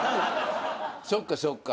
そっかそっか。